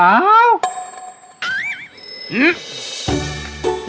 อื้อ